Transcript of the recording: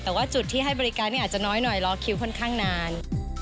แต่ว่าจุดที่ให้บริการอาจจะน้อยหน่อยหลอกคิวพนคร่างนาน